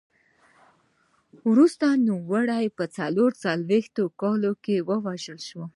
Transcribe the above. وروسته نوموړی په څلور څلوېښت کال کې ووژل شو